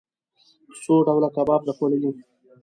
څو ډوله کباب د خوړلئ؟